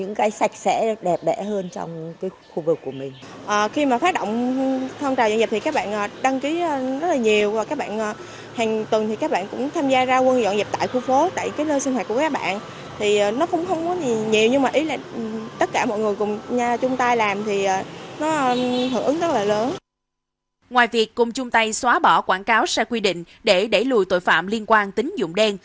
ngoài việc cùng chung tay xóa bỏ quảng cáo sai quy định để đẩy lùi tội phạm liên quan tính dụng đen